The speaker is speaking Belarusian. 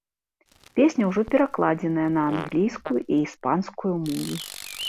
Песня ўжо перакладзеная на англійскую і іспанскую мовы.